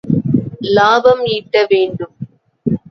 இலாபம் ஈட்ட வேண்டும்.